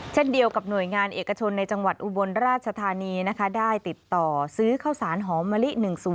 เช่นเดียวกับหน่วยงานเอกชนในจังหวัดอุบลราชธานีนะคะได้ติดต่อซื้อข้าวสารหอมมะลิ๑๐